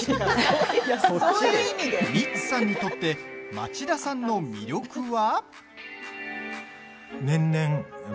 ミッツさんにとって町田さんの魅力は？